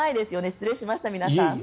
失礼しました、皆さん。